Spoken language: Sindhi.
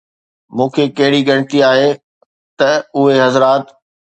مون کي ڪهڙي ڳڻتي آهي ته اهي حضرات